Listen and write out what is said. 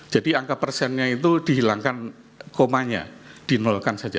jadi angka persennya itu dihilangkan komanya dinolakan saja